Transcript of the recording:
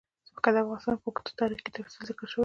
ځمکه د افغانستان په اوږده تاریخ کې په تفصیل ذکر شوی دی.